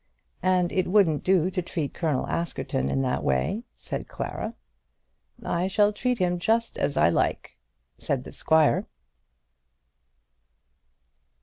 "And it wouldn't do to treat Colonel Askerton in that way," said Clara. "I shall treat him just as I like," said the squire.